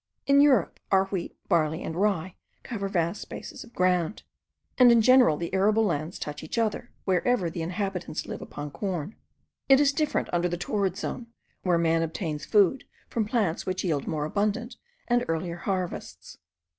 In Europe, our wheat, barley, and rye cover vast spaces of ground; and in general the arable lands touch each other, wherever the inhabitants live upon corn. It is different under the torrid zone, where man obtains food from plants which yield more abundant and earlier harvests.